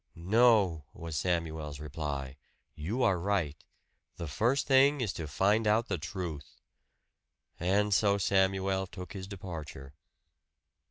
"No," was Samuel's reply, "you are right. The first thing is to find out the truth." And so Samuel took his departure.